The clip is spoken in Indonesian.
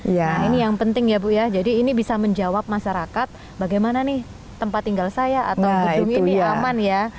nah ini yang penting ya bu ya jadi ini bisa menjawab masyarakat bagaimana nih tempat tinggal saya atau gedung ini aman ya